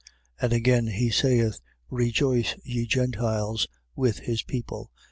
15:10. And again he saith: rejoice ye Gentiles, with his people. 15:11.